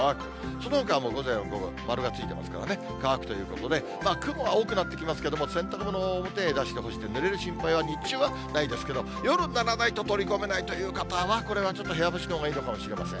そのほかも午前、午後、丸がついてますからね、乾くということで、雲は多くなってきますけども、洗濯物、表に出してぬれる心配は日中はないですけど、夜にならないと取り込めないという方は、これはちょっと部屋干しのほうがいいのかもしれません。